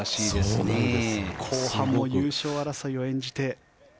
後半も優勝争いを演じて。